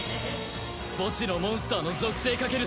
墓地のモンスターの属性かける